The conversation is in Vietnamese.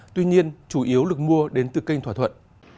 tuy nhiên chủ yếu được mua đến từ kênh thỏa thuận